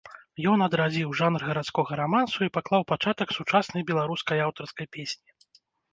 Ён адрадзіў жанр гарадскога рамансу і паклаў пачатак сучаснай беларускай аўтарскай песні.